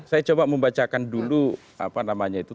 saya coba membacakan dulu apa namanya itu